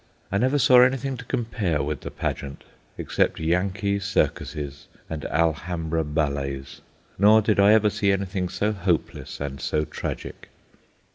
I never saw anything to compare with the pageant, except Yankee circuses and Alhambra ballets; nor did I ever see anything so hopeless and so tragic.